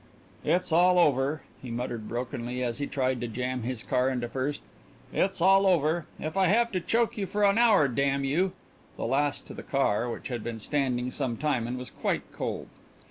"It's all over," he muttered brokenly as he tried to jam his car into first. "It's all over if I have to choke you for an hour, damn you!" The last to the car, which had been standing some time and was quite cold.